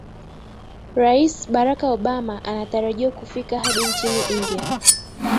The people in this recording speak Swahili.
rais barack obama anatarajiwa kufika hadi nchini india